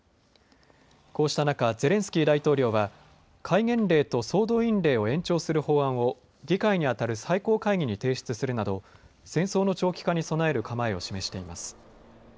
こうした中、ゼレンスキー大統領は戒厳令と総動員令を延長する法案を議会にあたる最高会議に提出するなど戦争の長期化に備える構えを示しています。